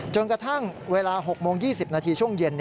จนกระทั่งเวลา๖โมง๒๐นาทีช่วงเย็น